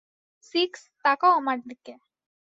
Six, তাকাও আমার দিকে।